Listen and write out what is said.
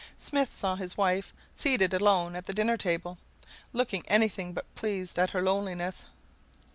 Smith saw his wife, seated alone at the dinner table, looking anything but pleased at her loneliness.